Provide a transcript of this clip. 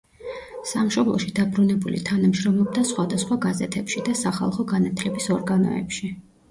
სამშობლოში დაბრუნებული თანამშრომლობდა სხვადასხვა გაზეთებში და სახალხო განათლების ორგანოებში.